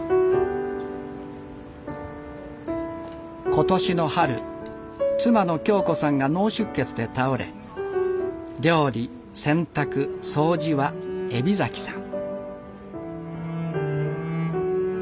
今年の春妻の恭子さんが脳出血で倒れ料理洗濯掃除は海老さん。